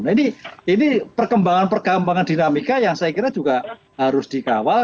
nah ini perkembangan perkembangan dinamika yang saya kira juga harus dikawal